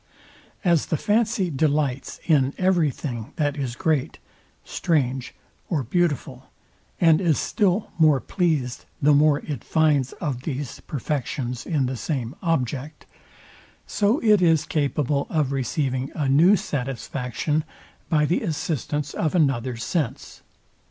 "As the fancy delights in every thing that is great, strange, or beautiful, and is still more pleased the more it finds of these perfections in the same object, so it is capable of receiving a new satisfaction by the assistance of another sense.